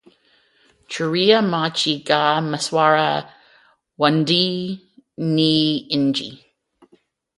Churia machi gha mswara w'andu ni w'engi.